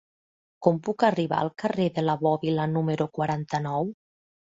Com puc arribar al carrer de la Bòbila número quaranta-nou?